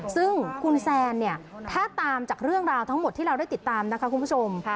ซึ่งคุณแซนเนี่ยถ้าตามจากเรื่องราวทั้งหมดที่เราได้ติดตามนะคะคุณผู้ชม